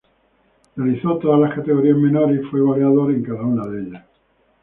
Realizó todas las categorías menores y fue goleador en cada una de ellas.